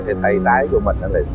thế tay trái của mình